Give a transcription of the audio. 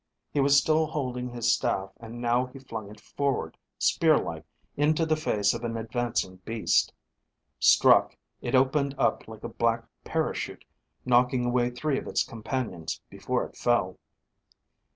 He was still holding his staff, and now he flung it forward, spear like, into the face of an advancing beast. Struck, it opened up like a black parachute, knocking away three of its companions, before it fell.